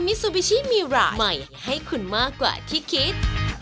มีคุณมากกว่าที่คิด